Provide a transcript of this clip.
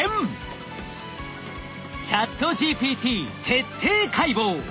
ＣｈａｔＧＰＴ徹底解剖！